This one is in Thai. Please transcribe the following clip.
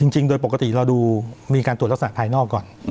จริงโดยปกติเราดูมีการตรวจลักษณะภายนอกก่อน